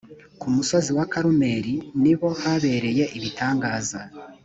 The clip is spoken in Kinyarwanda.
ku musozi wa karumeli nibo habereye ibitangaza